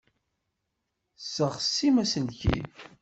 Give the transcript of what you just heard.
Tesseɣsim aselkim.